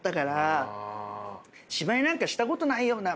芝居なんかしたことないような。